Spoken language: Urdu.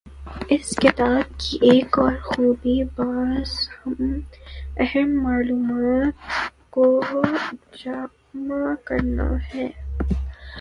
اس کتاب کی ایک اور خوبی بعض اہم معلومات کو جمع کرنا ہے۔